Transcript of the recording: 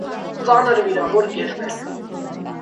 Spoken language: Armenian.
Ծանր վիրավոր գերվել է։